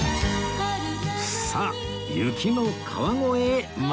さあ雪の川越へ参りましょう